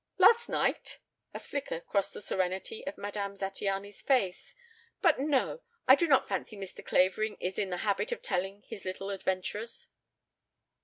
"Last night?" A flicker crossed the serenity of Madame Zattiany's face. "But no. I do not fancy Mr. Clavering is in the habit of telling his little adventures."